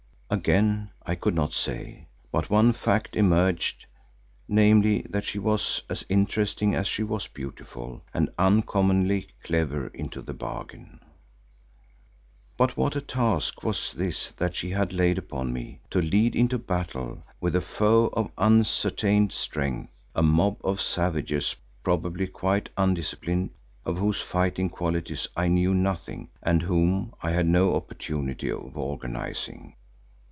Again, I could not say, but one fact emerged, namely that she was as interesting as she was beautiful, and uncommonly clever into the bargain. But what a task was this that she had laid upon me, to lead into battle, with a foe of unascertained strength, a mob of savages probably quite undisciplined, of whose fighting qualities I knew nothing and whom I had no opportunity of organising.